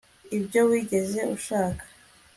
ibyo wigeze ushaka